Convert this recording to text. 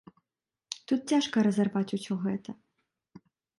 Тут цяжка разарваць усё гэта.